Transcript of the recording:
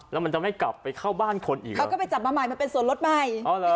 แล้วมันจะไม่กลับในบ้านคนอีกเหรอมันจะไปจับมาใหม่เป็นส่วนลดใหม่